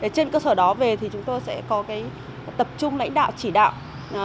trên cơ sở đó về thì chúng tôi sẽ có cái tập trung lãnh đạo chỉ đạo